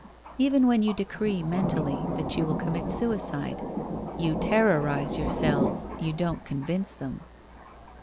Even when you decree mentally that you will commit suicide, you terrorize your cells, you don't convince them.